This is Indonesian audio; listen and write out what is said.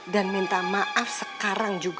dan minta maaf sekarang juga